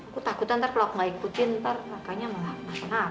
aku takut ntar kalau aku ga ikutin ntar raka nya melahirkan raka